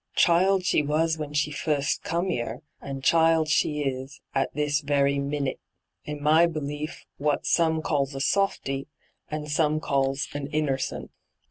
Child she was when she fust come 'ere, and child she is at this very minnit — in my belief what some calls a softy, and some calls a inner cent.